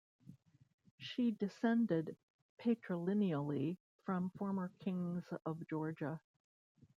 She descended patrilineally from former Kings of Georgia.